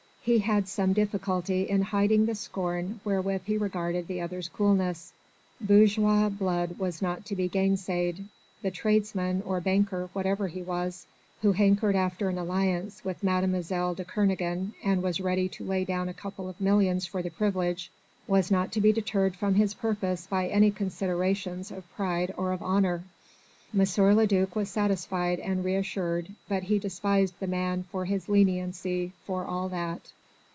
He had some difficulty in hiding the scorn wherewith he regarded the other's coolness. Bourgeois blood was not to be gainsaid. The tradesman or banker, whatever he was who hankered after an alliance with Mademoiselle de Kernogan, and was ready to lay down a couple of millions for the privilege was not to be deterred from his purpose by any considerations of pride or of honour. M. le duc was satisfied and re assured, but he despised the man for his leniency for all that.